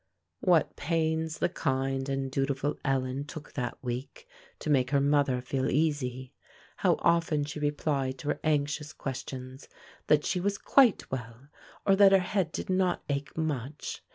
What pains the kind and dutiful Ellen took that week to make her mother feel easy! How often she replied to her anxious questions, "that she was quite well," or "that her head did not ache much!"